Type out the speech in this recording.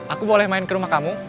aku boleh main ke rumah kamu